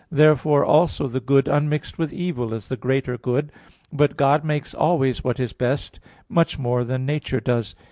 Therefore also the good unmixed with evil is the greater good. But God makes always what is best, much more than nature does.